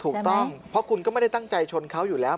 ถูกต้องเพราะคุณก็ไม่ได้ตั้งใจชนเขาอยู่แล้ว